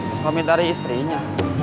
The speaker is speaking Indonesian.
suami dari istrinya